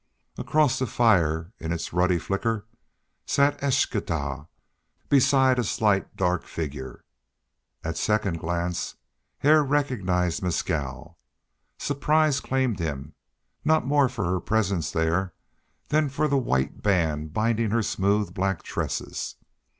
Across the fire in its ruddy flicker sat Eschtah beside a slight, dark figure. At second glance Hare recognized Mescal. Surprise claimed him, not more for her presence there than for the white band binding her smooth black tresses.